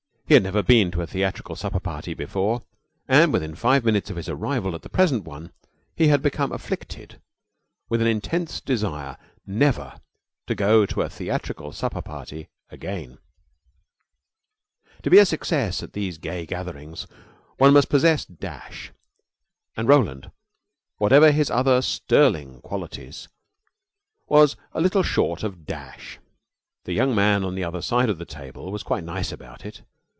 He had never been to a theatrical supper party before, and within five minutes of his arrival at the present one he had become afflicted with an intense desire never to go to a theatrical supper party again. To be a success at these gay gatherings one must possess dash; and Roland, whatever his other sterling qualities, was a little short of dash. The young man on the other side of the table was quite nice about it.